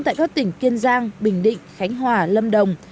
tại các tỉnh kiên giang bình định khánh hòa lâm đồng